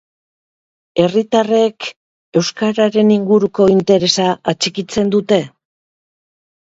Herritarrek euskararen inguruko interesa atxikitzen dute?